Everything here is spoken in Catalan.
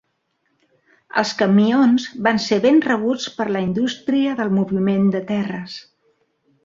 Els camions van ser ben rebuts per la indústria del moviment de terres.